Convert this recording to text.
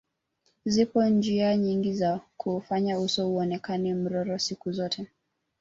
Zipo njia nyingi za kuufanya uso uonekane mororo siku zote